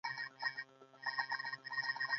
خوړل د خولې ذوق پوره کوي